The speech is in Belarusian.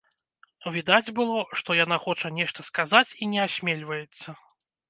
Відаць было, што яна хоча нешта сказаць і не асмельваецца.